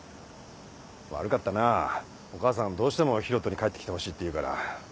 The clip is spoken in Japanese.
悪かったなお母さんどうしても広翔に帰ってきてほしいって言うから。